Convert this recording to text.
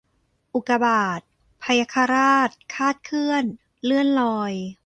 อุกกาบาต พยัคฆราช คลาดเคลื่อน เลื่อนลอย